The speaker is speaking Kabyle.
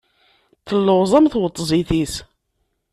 Telleɣẓam tweṭzit-is.